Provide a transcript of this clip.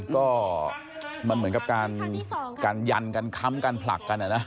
ก็มันเหมือนกับการยันกันค้ำกันผลักกันนะ